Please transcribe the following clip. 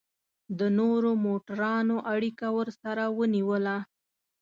د نورو موټرانو اړیکه ورسره ونیوله.